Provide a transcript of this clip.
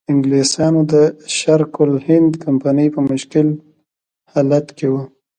انګلیسانو د شرق الهند کمپنۍ په مشکل حالت کې وه.